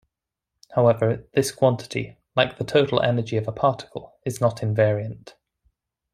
However, this quantity, like the total energy of a particle, is not invariant.